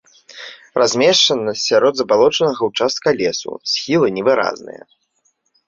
Размешчана сярод забалочанага ўчастка лесу, схілы невыразныя.